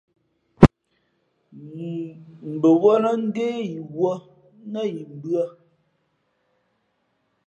Mbαwᾱlᾱ ndé yī wᾱ nά yi mbʉ̄ᾱ.